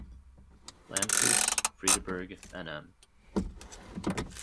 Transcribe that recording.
Landkreis Friedeberg Nm.